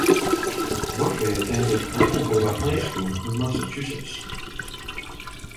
Murphy attended Attleboro High School in Massachusetts.